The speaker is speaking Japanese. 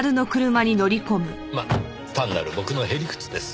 まあ単なる僕の屁理屈です。